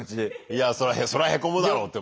いやあそらへこむだろうって。